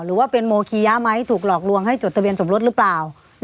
หรือว่าเป็นโมคียะไหมถูกหลอกลวงให้จดทะเบียนสมรสหรือเปล่า